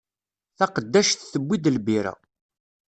Taqeddact tewwi-d lbira.